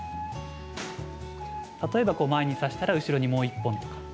例えば、前にさしたら後ろにもう１本とか。